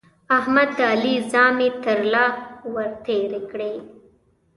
احمد د علي زامې تر له ور تېرې کړې.